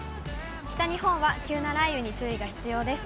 北日本は急な雷雨に注意が必要です。